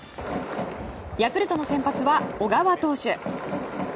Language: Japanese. ヤクルトの先発は小川投手。